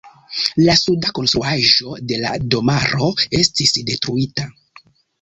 La suda konstruaĵo de la domaro estis detruita.